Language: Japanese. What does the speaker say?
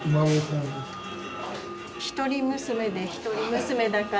一人娘で一人娘だから。